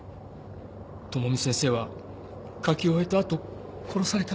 智美先生は書き終えたあと殺されたのか。